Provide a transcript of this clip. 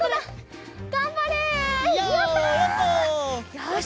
よし！